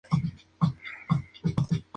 King Kong llega y combate a la bestia.